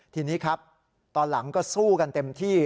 ทีนี้ครับตอนหลังก็สู้กันเต็มที่